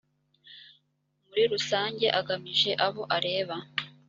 murirusange agamije abo areba